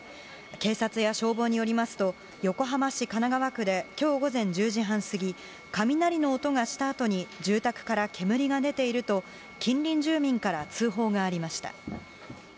警察や消防によりますと、横浜市神奈川区できょう午前１０時半過ぎ、雷の音がしたあとに、住宅から煙が出ていると、近隣住民から通報がありました。